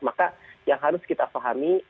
maka yang harus kita pahami